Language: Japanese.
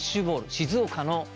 静岡の。